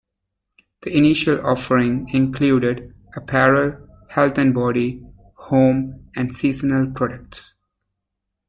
The initial offering included apparel, health and body, home, and seasonal products.